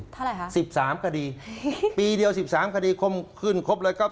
เท่าไหร่ครับปีเดียว๑๓คดีคุณขึ้นครบเลยครับ